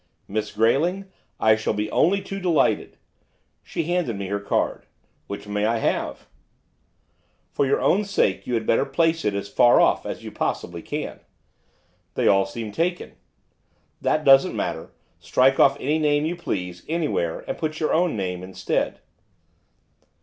'Miss Grayling! I shall be only too delighted.' She handed me her card. 'Which may I have?' 'For your own sake you had better place it as far off as you possibly can.' 'They all seem taken.' 'That doesn't matter; strike off any name you please, anywhere and put your own instead.